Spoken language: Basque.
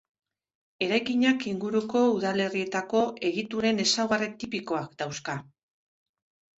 Eraikinak inguruko udalerrietako egituren ezaugarri tipikoak dauzka.